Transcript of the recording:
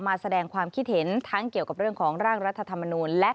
มาแสดงความคิดเห็นทั้งเกี่ยวกับเรื่องของร่างรัฐธรรมนูล